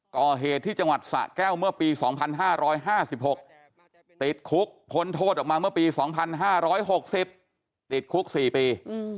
ก่อเหตุที่จังหวัดสะแก้วเมื่อปี๒๕๕๖ติดคุกพ้นโทษออกมาเมื่อปี๒๕๖๐ติดคุก๔ปี